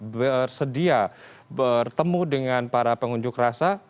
bersedia bertemu dengan para pengunjuk rasa